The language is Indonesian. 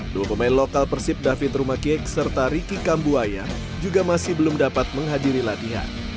dua pemain lokal persib david rumakiek serta ricky kambuaya juga masih belum dapat menghadiri latihan